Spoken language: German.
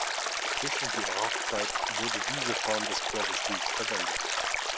Bis in die Barockzeit wurde diese Form des Chorgestühls verwendet.